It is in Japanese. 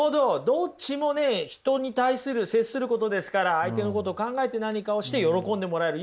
どっちもね人に対する接することですから相手のことを考えて何かをして喜んでもらえる。